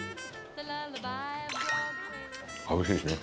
おいしいですね！